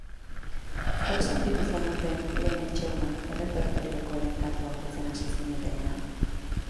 Zer sentitu zenuten lehen entseguan, errepertorioko lehen kantua jotzen hasi zinetenean?